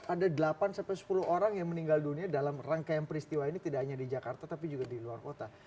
ada delapan sampai sepuluh orang yang meninggal dunia dalam rangkaian peristiwa ini tidak hanya di jakarta tapi juga di luar kota